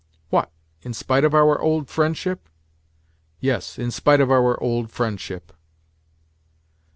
"What? In spite of our old friendship?" "Yes, in spite of our old friendship."